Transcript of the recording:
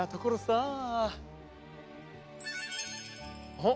あっ！